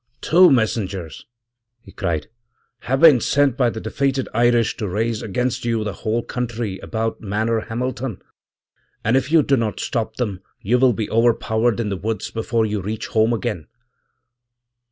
'Two messengers,' he cried, 'havebeen sent by the defeated Irish to raise against you the wholecountry about Manor Hamilton, and if you do not stop them you will beoverpowered in the woods before you reach home again!